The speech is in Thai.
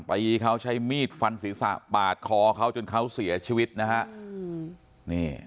ไปเขาใช้มีดฟันศีรษะปาดคอเขาจนเขาเสียชีวิตนะฮะ